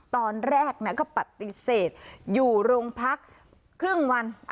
ตอนแรกก็ปฏิเสธอยู่โรงพักครึ่งวัน